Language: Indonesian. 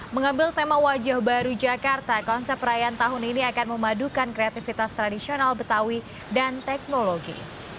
mengambil tema wajah baru jakarta konsep perayaan tahun ini akan memadukan kreativitas tradisional betawi dan teknologi